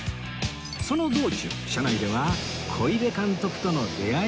その道中車内では小出監督との出会いの話に